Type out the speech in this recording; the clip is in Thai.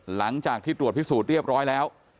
หลังจากที่ตรวจพิสูจน์เรียบร้อยแล้ว